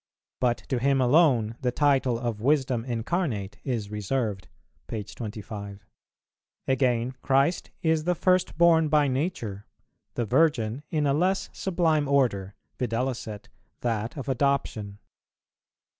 But to Him alone the title of Wisdom Incarnate is reserved, p. 25. Again, Christ is the First born by nature; the Virgin in a less sublime order, viz. that of adoption.